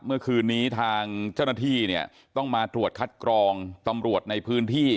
เมื่อคืนนี้ทางเจ้าหน้าที่เนี่ยต้องมาตรวจคัดกรองตำรวจในพื้นที่